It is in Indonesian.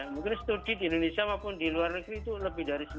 mungkin studi di indonesia maupun di luar negeri itu lebih dari sembilan puluh